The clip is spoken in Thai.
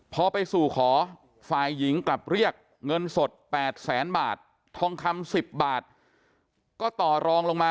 พอไปสู่ขอฝ่ายหญิงกลับเรียกเงินสด๘แสนบาททองคำ๑๐บาทก็ต่อรองลงมา